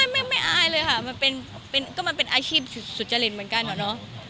ไม่ไม่อายเลยค่ะก็จะเป็นอาชีพสุจริงเหมือนกัน